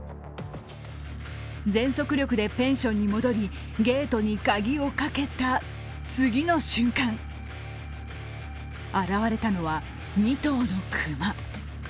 全速力でペンションに戻り、ゲートに鍵をかけた次の瞬間、現れたのは２頭の熊。